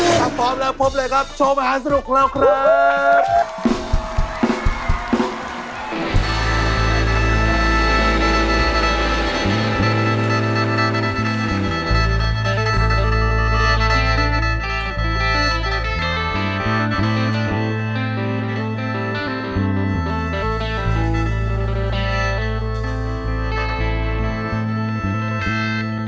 ถ้าพร้อมแล้วพบเลยครับโชว์มหาสนุกของเราครับ